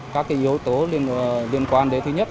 các yếu tố liên quan đến thứ nhất